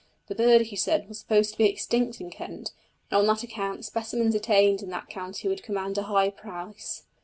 The bird, he said, was supposed to be extinct in Kent, and on that account specimens obtained in that county would command a high price.